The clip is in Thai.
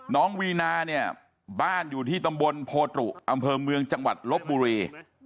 วีนาเนี่ยบ้านอยู่ที่ตำบลโพตุอำเภอเมืองจังหวัดลบบุรี